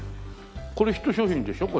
これヒット商品でしょ？